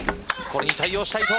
これに対応した伊藤。